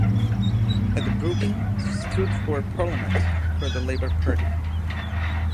At the Brooking stood for Parliament for the Labour Party.